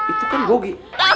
itu kan gogi